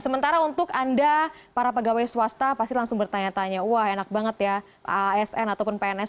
sementara untuk anda para pegawai swasta pasti langsung bertanya tanya wah enak banget ya asn ataupun pns